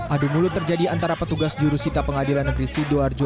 adu mulut terjadi antara petugas jurusita pengadilan negeri sidoarjo